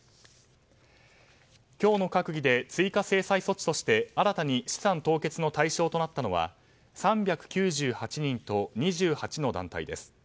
今日の閣議で追加制裁措置として新たに資産凍結の対象となったのは３９８人と２８の団体です。